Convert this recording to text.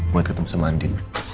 buat ketemu sama andi